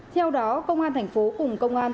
theo đó công an thành phố cùng công an